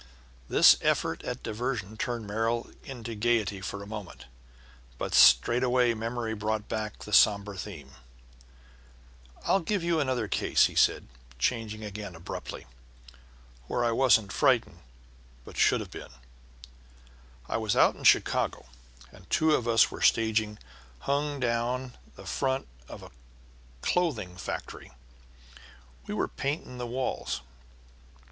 This effort at diversion turned Merrill into gaiety for a moment, but straightway memory brought back the somber theme. "I'll give you another case," said he, changing again abruptly, "where I wasn't frightened, but should have been. It was out in Chicago, and two of us were on a staging hung down the front of a clothing factory. We were painting the walls.